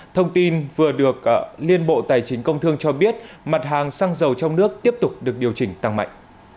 thông tin vừa được liên bộ tài chính công thương cho biết mặt hàng xăng dầu trong nước tiếp tục được điều chỉnh tăng mạnh